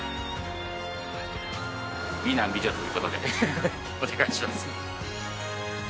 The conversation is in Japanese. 美男美女ということでお願いします。